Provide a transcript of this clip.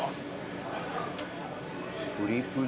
プリプリ。